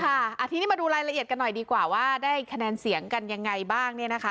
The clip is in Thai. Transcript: ค่ะทีนี้มาดูรายละเอียดกันหน่อยดีกว่าว่าได้คะแนนเสียงกันยังไงบ้างเนี่ยนะคะ